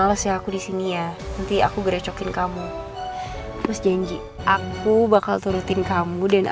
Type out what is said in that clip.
lagian aku juga gak makan di rumah